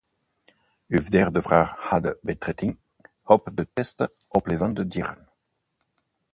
Uw derde vraag had betrekking op de tests op levende dieren.